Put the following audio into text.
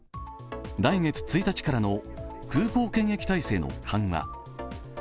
来月１日からの空港検疫体制の緩和